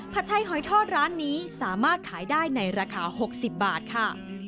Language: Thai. ไทยหอยทอดร้านนี้สามารถขายได้ในราคา๖๐บาทค่ะ